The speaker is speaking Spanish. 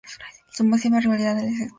Su máxima rivalidad es con Victoriano Arenas.